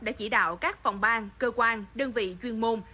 đã chỉ đạo các phòng ban cơ quan đơn vị chuyên môn